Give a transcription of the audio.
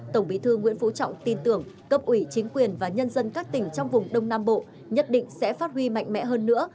tổng bí thư nguyễn phú trọng tin tưởng cấp ủy chính quyền và nhân dân các tỉnh trong vùng đông nam bộ nhất định sẽ phát huy mạnh mẽ hơn nữa